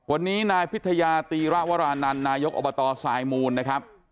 วันนี้นายพิทยาตีระวรานันต์นายกอบตสายมูลนะครับ